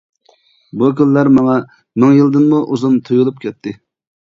بۇ كۈنلەر ماڭا مىڭ يىلدىنمۇ ئۇزۇن تۇيۇلۇپ كەتتى.